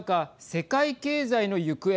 世界経済の行方